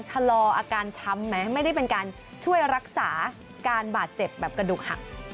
ชะลออาการช้ำไหมไม่ได้เป็นการช่วยรักษาการบาดเจ็บแบบกระดูกหัก